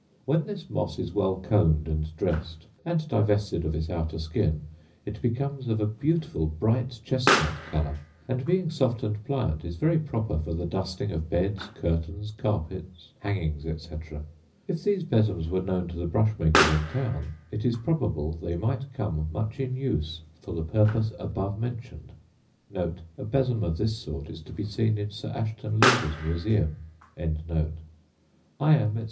When this moss is well combed and dressed, and divested of its outer skin, it becomes of a beautiful bright chestnut colour; and, being soft and pliant, is very proper for the dusting of beds, curtains, carpets, hangings, etc. If these besoms were known to the brushmakers in town, it is probable they might come much in use for the purpose above mentioned.* * A besom of this sort is to be seen in Sir Ashton Lever's Museum. I am, etc.